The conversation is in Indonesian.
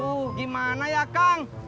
tuh gimana ya kang